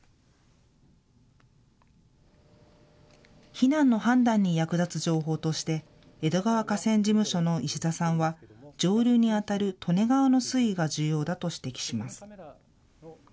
避難の判断に役立つ情報として江戸川河川事務所の石田さんは上流にあたる利根川の水位が重要だと指摘します。